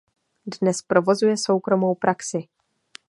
Dnes provozuje soukromou praxi.